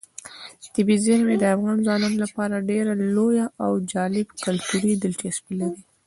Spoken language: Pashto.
طبیعي زیرمې د افغان ځوانانو لپاره ډېره لویه او جالب کلتوري دلچسپي لري.